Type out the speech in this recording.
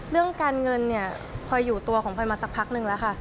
เรื่องการเงินเนี่ยพลอยอยู่ตัวของพลอยมาสักพักนึงแล้วค่ะ